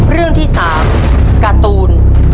เรื่องที่๓การ์ตูน